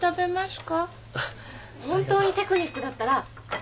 本当にテクニックだったらほらあの。